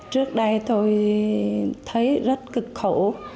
trước đây tôi thấy rất cực khổ